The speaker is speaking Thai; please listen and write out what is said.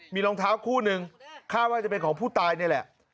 มีรองเท้าคู่หนึ่งคาดว่าจะเป็นของผู้ตายนี่แหละ